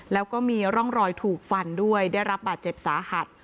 แล้วก็มีร่องรอยถูกฟันด้วยได้รับบาดเจ็บสาหัส